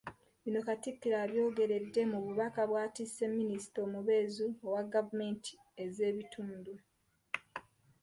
Bino Katikkiro abyogeredde mu bubaka bw’atisse minisita omubeezi owa gavumenti ez’ebitundu.